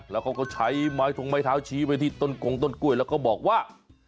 แล้วเขาก็ใช้ไม้ทงไม้เท้าชี้ไปที่ต้นกงต้นกล้วยแล้วก็บอกว่า